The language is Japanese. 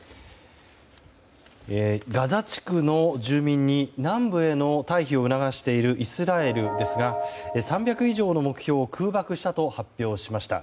ガザ地区の住民に南部への退避を促しているイスラエルですが３００以上の目標を空爆したと発表しました。